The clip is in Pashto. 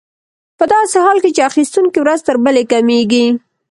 په داسې حال کې چې اخیستونکي ورځ تر بلې کمېږي